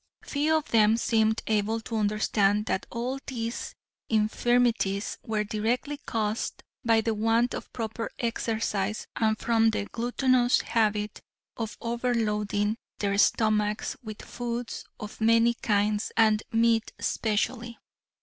Few of them seemed able to understand that all these infirmities were directly caused by the want of proper exercise and from the gluttonous habit of overloading their stomachs with foods of many kinds and meat especially.